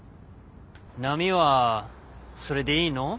奈美はそれでいいの？